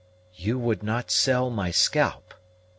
"You would not sell my scalp?"